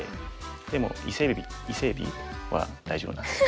でも伊勢えび伊勢えびは大丈夫なんです。